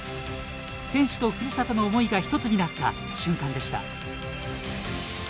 選手とふるさとの思いが一つになった瞬間でした。